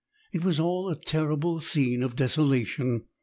It was all a terrible scene of desolation.